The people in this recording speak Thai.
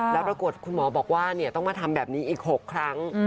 แล้วปรากฏคุณหมอบอกว่าต้องมาทำแบบนี้อีก๖ครั้ง